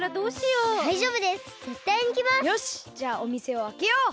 よしじゃあおみせをあけよう！